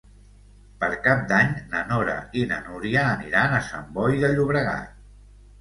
Per Cap d'Any na Nora i na Núria aniran a Sant Boi de Llobregat.